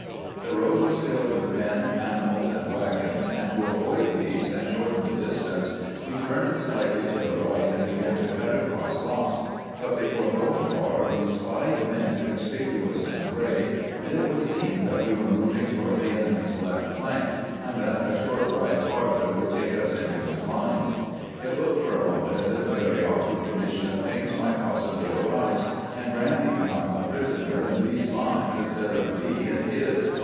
The road was filled with men, animals, and wagons, and to avoid these and shorten the distance we turned slightly to the right and began to " cut across lots "; but before going far we spied men conspicuous in gray, and it was seen that we were moving toward the enemy's left flank, and that a short ride farther would take us into his lines. It looked for a moment as if a very awkward condition of things might possibly arise, and Grant become a prisoner in Lee's lines instead of Lee in his.